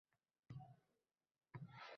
Qarang, yer qaqrab yotibdi, qaqrab!